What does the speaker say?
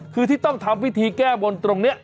คือที่ต้องทำพิธีแก้บนตรงนี้